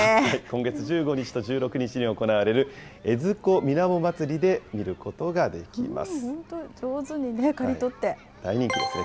今月１５日と１６日に行われる、江津湖みなも祭りで見ることができます。